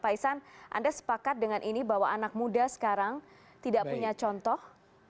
pak isan anda sepakat dengan ini bahwa anak muda sekarang tidak punya contoh